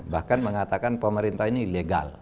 bahkan mengatakan pemerintah ini legal